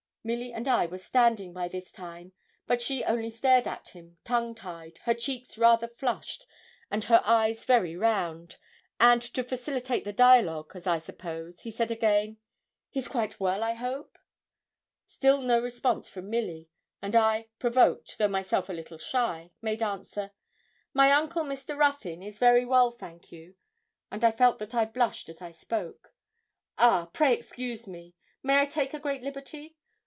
Milly and I were standing, by this time, but she only stared at him, tongue tied, her cheeks rather flushed, and her eyes very round, and to facilitate the dialogue, as I suppose, he said again 'He's quite well, I hope?' Still no response from Milly, and I, provoked, though myself a little shy, made answer 'My uncle, Mr. Ruthyn, is very well, thank you,' and I felt that I blushed as I spoke. 'Ah, pray excuse me, may I take a great liberty?